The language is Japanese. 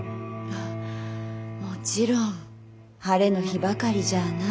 もちろん晴れの日ばかりじゃない。